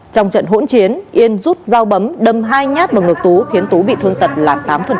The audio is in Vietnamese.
trong trận hỗn chiến yên rút dao bấm đâm hai nhát vào ngực tú khiến tú bị thương tật là tám